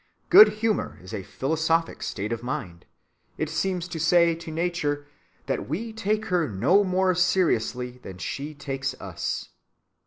Good‐humor is a philosophic state of mind; it seems to say to Nature that we take her no more seriously than she takes us.